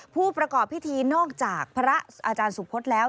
ผู้ประกอบพิธีนอกจากพระอาจารย์สุพธแล้ว